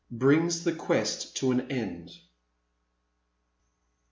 BRINGS THE QUEST TO AN END.